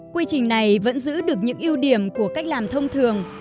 quy trình này vẫn giữ được những ưu điểm của cách làm thông thường